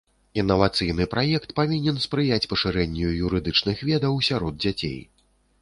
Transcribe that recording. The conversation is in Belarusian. Інавацыйны праект павінен спрыяць пашырэнню юрыдычных ведаў сярод дзяцей.